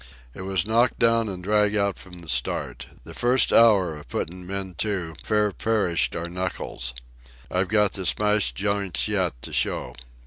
"It was knock down and drag out from the start. The first hour of puttin' the men to fair perished our knuckles. I've got the smashed joints yet to show.